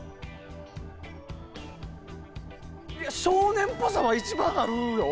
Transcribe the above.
いや、少年っぽさは一番あるよ